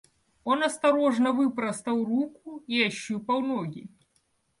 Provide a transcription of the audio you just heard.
Он осторожно выпростал руку и ощупал ноги.